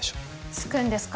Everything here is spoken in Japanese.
つくんですか？